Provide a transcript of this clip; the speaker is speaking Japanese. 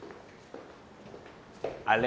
あれ？